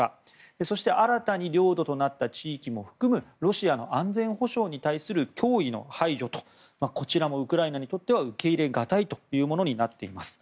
そして新たに領土となった地域も含むロシアの安全保障に対する脅威の排除とこちらもウクライナにとっては受け入れがたいものになっています。